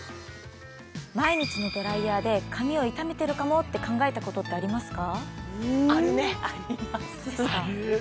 毎日のドライヤーで髪を傷めてるかもって考えたことってありますか？